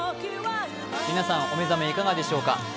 皆さんお目覚めいかがでしょうか。